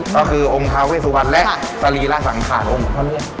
ก็คือองค์ท้าเวสวรรค์และศรีราสังฐานองค์พ่อเนื่อง